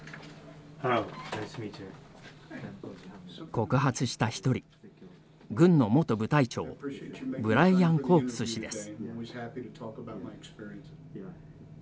告発した一人軍の元部隊長ブライアン・コープス氏です。